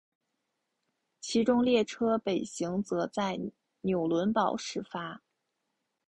其中列车北行则在纽伦堡始发。